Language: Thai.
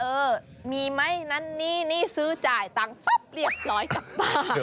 เออมีมั้ยนั้นนี่นี่ซื้อจ่ายตั้งป๊อบเรียบร้อยจับบ้าน